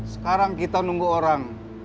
sekarang kita nunggu orang